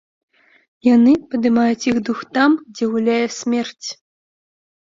Яны падымаюць іх дух там, дзе гуляе смерць.